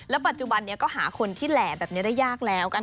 ปัจจุบันนี้ก็หาคนที่แหล่แบบนี้ได้ยากแล้ว